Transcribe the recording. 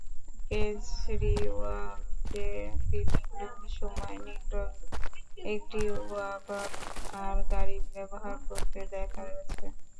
কেজরিওয়ালকে বিভিন্ন সময় নীল রঙের একটি ওয়াগন-আর গাড়ি ব্যবহার করতে দেখা গেছে।